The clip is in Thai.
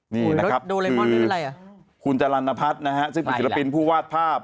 นี่นะครับคือคุณจรรณพัฒน์นะฮะซึ่งศิลปินผู้วาดภาพ